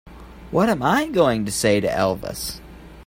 What am I going to say to Elvis?